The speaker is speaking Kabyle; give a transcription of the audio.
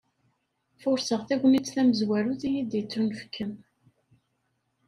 Furseɣ tagnit tamezwarut iyi-d-yettunefken.